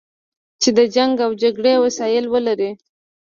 چې د جنګ او جګړې وسایل ولري.